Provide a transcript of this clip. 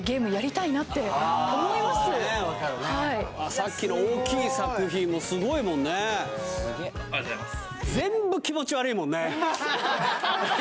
さっきの大きい作品もすごいもんねありがとうございます